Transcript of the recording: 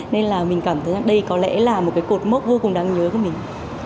nên là mình cảm thấy đây có lẽ là một cột mốc vô cùng đáng nhớ của mình